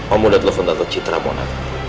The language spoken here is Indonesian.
om udah telepon kata citra mona